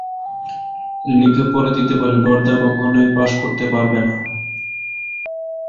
লিখে পড়ে দিতে পারি, বরদা কখনোই পাস করতে পারবে না।